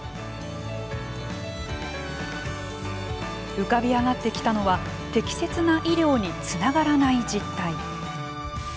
浮かび上がってきたのは適切な医療につながらない実態。